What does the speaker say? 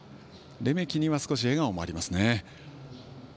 レメキには少し笑顔もありますね。